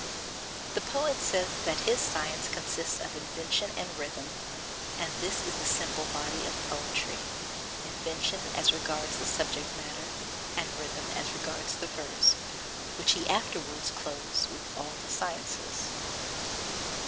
The poet says that his science consists of invention and rhythm, and this is the simple body of poetry, invention as regards the subject matter and rhythm as regards the verse, which he afterwards clothes with all the sciences.